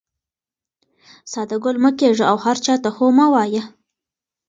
ساده ګل مه کېږه او هر چا ته هو مه وایه.